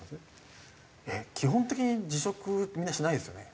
えっ基本的に辞職みんなしないですよね。